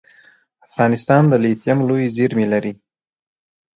افغانستان د لیتیم لویې زیرمې لري